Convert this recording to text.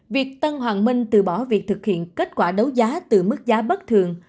việc tân hoàng minh từ bỏ việc thực hiện kết quả đấu giá từ mức giá bất thường